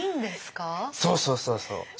そうそうそうそう。